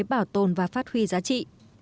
bảo tồn và phát huy giá trị